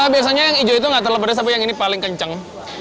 biasanya yang hijau itu nggak terlalu pedas tapi yang ini paling kencang